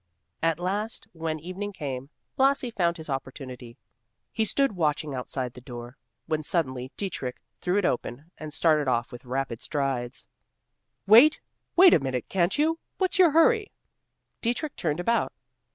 At last when evening came Blasi found his opportunity. He stood watching outside the door, when suddenly Dietrich threw it open, and started off with rapid strides. Blasi called out, "Wait, wait a minute, can't you? What's your hurry?" Dietrich turned about.